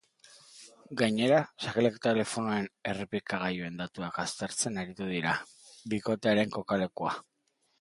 Gainera, sakelako telefonoen errepikagailuen datuak aztertzen aritu dira, bikotearen kokalekua aurkitzeko.